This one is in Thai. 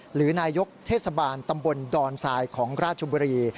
หรือนายกเทศบาลตำบลดอนทรายของราชบุรี